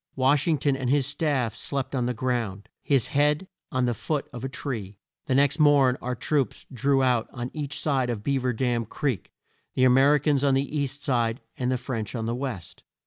Wash ing ton and his staff slept on the ground, his head on the root of a tree. The next morn our troops drew out on each side of Bea ver Dam Creek, the A mer i cans on the east side and the French on the west.